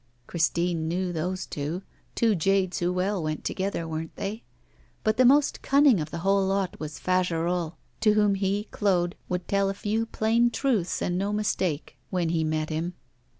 Christine knew those two; two jades who well went together, weren't they? But the most cunning of the whole lot was Fagerolles, to whom he, Claude, would tell a few plain truths and no mistake, when he met him.